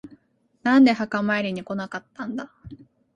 なんで墓参りに来なかったんだ。